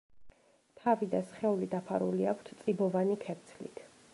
თავი და სხეული დაფარული აქვთ წიბოვანი ქერცლით.